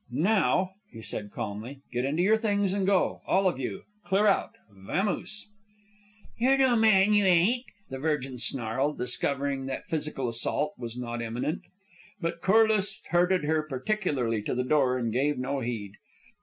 "Now," he said, calmly, "get into your things and go. All of you. Clear out. Vamose." "You're no man, you ain't," the Virgin snarled, discovering that physical assault was not imminent. But Corliss herded her particularly to the door, and gave no heed.